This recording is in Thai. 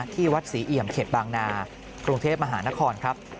ที่วัดศรีเอี่ยมเขตบางนากรุงเทพมหานครครับ